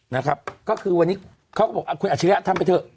นะครับก็คือวันนี้เขาก็บอกคุณอาชิริยะทำไปเถอะ